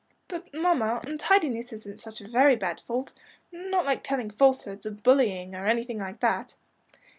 "But, mamma, untidiness isn't such a very bad fault not like telling falsehoods, or bullying, or anything like that?"